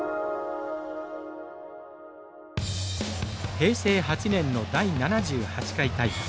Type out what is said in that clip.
平成８年の第７８回大会。